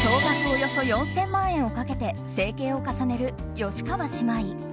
およそ４０００万円をかけて整形を重ねる吉川姉妹。